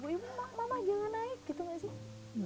bu ibu mama jangan naik gitu nggak sih